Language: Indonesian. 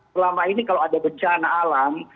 selama ini kalau ada bencana alam